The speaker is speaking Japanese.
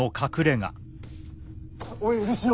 お許しを。